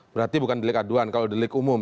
berarti bukan delik aduan kalau delik umum